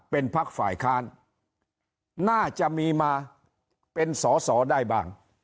เป็นพักฝ่ายค้านน่าจะมีมาเป็นสอสอได้บ้าง